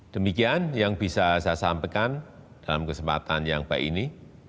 demikian yang bisa saya sampaikan dalam kesempatan yang baik ini